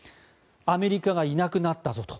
アメリカがいなくなったぞと。